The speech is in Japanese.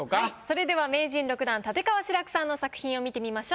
それでは名人６段立川志らくさんの作品を見てみましょう。